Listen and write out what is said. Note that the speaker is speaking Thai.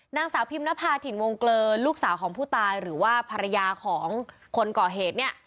นางสาวพิมนภาถิ่นวงเกลอลูกสาวของผู้ตายหรือว่าภรรยาของคนก่อเหตุเนี่ย